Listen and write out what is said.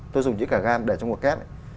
tôi dùng chữ cả gan để trong một cái này